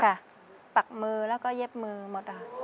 ปักมือแล้วก็เย็บมือหมดค่ะ